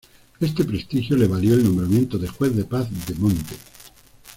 Este prestigio le valió el nombramiento de juez de paz de Monte.